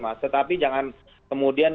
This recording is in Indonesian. mas tetapi jangan kemudian